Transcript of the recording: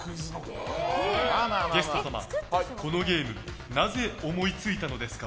ゲスト様、このゲームなぜ思いついたのですか？